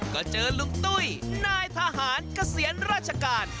ก็เจอลุงตุ้ยนายทหารเกษียณราชการ